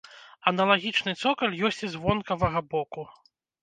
Аналагічны цокаль ёсць і з вонкавага боку.